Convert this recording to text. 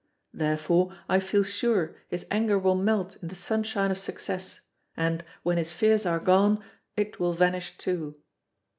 Therefore, I feel sure, his anger will melt in the sunshine of success, and, when his fears are gone, it will vanish too.